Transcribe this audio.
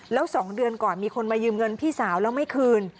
แล้ว๒เดือนก่อนมีคนมายืมเงินพี่สาวแล้วไม่คืน